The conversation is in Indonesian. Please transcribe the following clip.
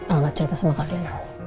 al gak cerita sama kalian